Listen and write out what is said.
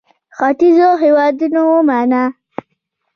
ختیځو هېوادونو ومانه.